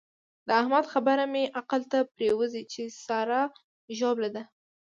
د احمد خبره مې عقل ته پرېوزي چې سارا ژوبله ده.